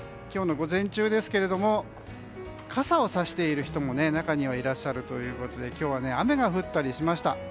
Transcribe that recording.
今日の午前中ですが傘をさしている人も中にはいらっしゃるということで今日は雨が降ったりしました。